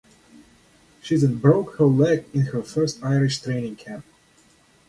She then broke her leg in her first Irish training camp.